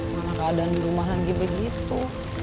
mana keadaan di rumah lagi begitu